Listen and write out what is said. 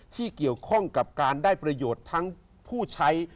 ที่เกี่ยวข้องกับการได้ประโยชน์ทั้งผู้ใช้